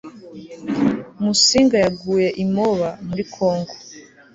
musinga yaguye i moba muri kongo